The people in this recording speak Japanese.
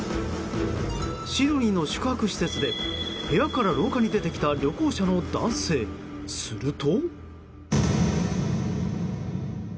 シドニーの宿泊施設で部屋から廊下に出てきた旅行者の男性、すると。